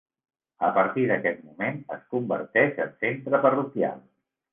A partir d'aquest moment es converteix en centre parroquial.